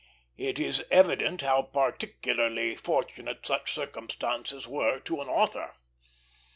It is evident how particularly fortunate such circumstances were to an author.